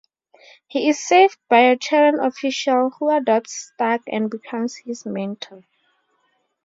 He is saved by a Terran official, who adopts Stark and becomes his mentor.